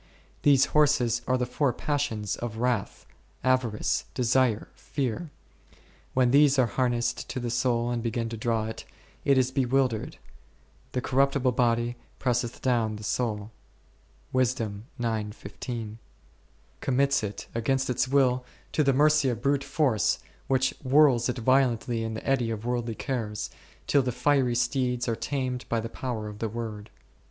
These horses are the four passions of wrath, avarice, desire, fear ; when these are harnessed to the soul and begin to draw it, it is bewildered ; the corruptible body presseth down the soul°, commits 1 Cant. iv. 16. m Cant. vi. 12. Num. i. 7. Wisdom ix. 15. O 44 ©n p?oIg STtrgtmtg, it, against its will, to the mercy of brute force, which whirls it violently in the eddy of worldly cares, till the fiery steeds are tamed by the power of the Word.